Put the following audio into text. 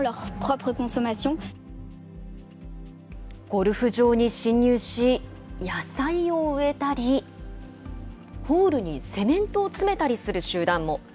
ゴルフ場に侵入し、野菜を植えたり、ホールにセメントを詰めたりする集団も。